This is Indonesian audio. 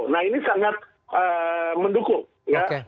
nah ini sangat mendukung